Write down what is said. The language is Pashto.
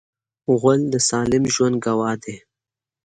غول د سالم ژوند ګواه دی.